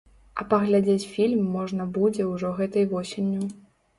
А паглядзець фільм можна будзе ўжо гэтай восенню.